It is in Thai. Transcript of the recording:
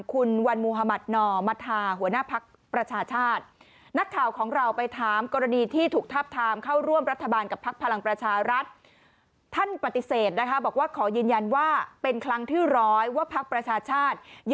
คุณวันมุหมาธหนอมัธาหัวหน้าพักประชาชาติ